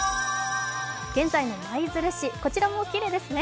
現在の舞鶴市、こちらもきれいですね。